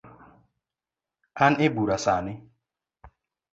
An ebura sani